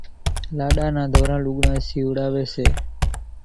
لاڏا نان ڌوران لوُڳڙان شيوڙاويَ سي۔